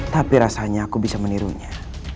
tapi rasanya aku bisa menirunya